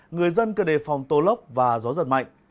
người dân cần đề phòng tô lốc và gió giật mạnh